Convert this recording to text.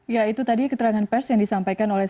ya itu tadi keterangan pers yang disampaikan oleh